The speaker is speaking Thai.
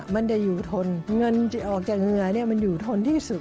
มันจะอยู่ทนเงินจะออกจากเหงื่อมันอยู่ทนที่สุด